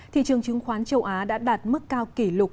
thị trường chứng khoán châu á đã đạt mức cao kỷ lục